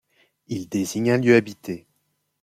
Il désigne un lieu habité.